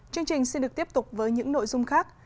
chương trình xin được tiếp tục với những nội dung khác